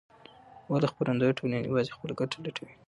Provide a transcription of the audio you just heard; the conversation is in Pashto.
ولې خپرندویه ټولنې یوازې خپلې ګټې لټوي؟